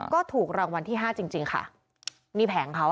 ก็ถูกรางวัลที่๕จริงค่ะนี่แผงของเขาค่ะ